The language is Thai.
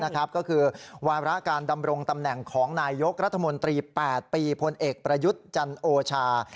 ก็คือวาระการดำรงตำแหน่งของนายยกรัฐมนตรี๘ปีพลเอกประยุทธ์จันโอชา